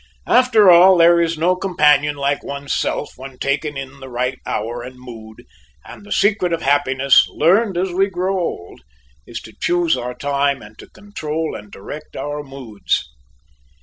After all there is no companion like one's self when taken in the right hour and mood, and the secret of happiness, learned as we grow old, is to choose our time and to control and direct our moods.